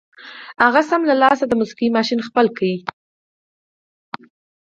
هغه سم له لاسه د موسيقۍ ماشين خپل کړ.